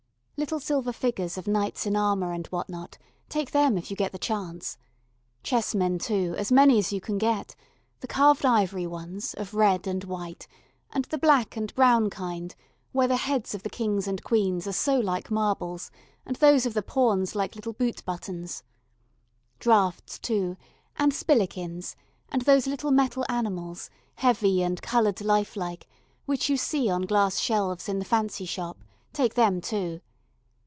Little silver figures of knights in armour and what not take them if you get the chance. Chessmen, too, as many as you can get, the carved ivory ones, of red and white, and the black and brown kind where the heads of the kings and queens are so like marbles and those of the pawns like boot buttons; draughts too, and spillikins, and those little metal animals, heavy and coloured life like, which you see on glass shelves in the fancy shop: take them too.